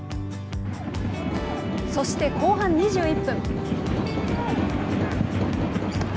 そして、後半２１分。